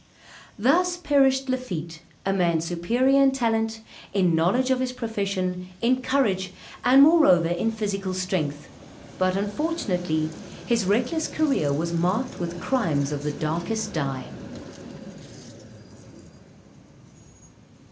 _] Thus perished Lafitte, a man superior in talent, in knowledge of his profession, in courage, and moreover in physical strength; but unfortunately his reckless career was marked with crimes of the darkest dye.